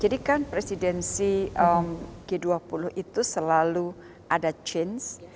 jadi kan presidensi g dua puluh itu selalu ada change